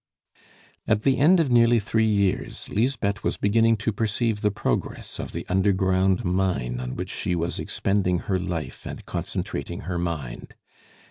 At the end of nearly three years, Lisbeth was beginning to perceive the progress of the underground mine on which she was expending her life and concentrating her mind.